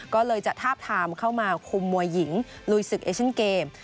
ก็เลยจะทาบทามเข้ามาคุมมวยหญิงลุยศึกเอเชียนเกม